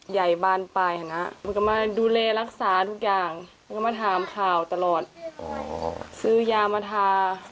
ยายบ้านไปนะมันก็มาดูแลรักษาทุกอย่างมันก็มาถามข่าวตลอดซื้อยามาทา